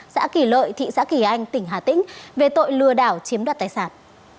xã kỳ lợi thị xã kỳ anh tỉnh hà tĩnh về tội lừa đảo chiếm đoạt tài sản